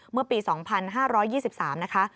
เมื่อปี๒๕๒๓นะคะ